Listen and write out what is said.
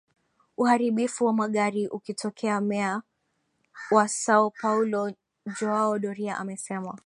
uharibifu wa magari ukitokeaMeya wa Sao Paulo Joao Doria amesema